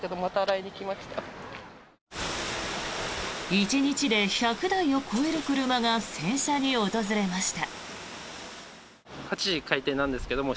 １日で１００台を超える車が洗車に訪れました。